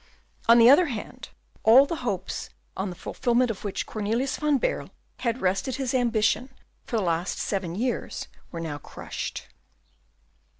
On the other hand, all the hopes on the fulfilment of which Cornelius van Baerle had rested his ambition for the last seven years were now crushed.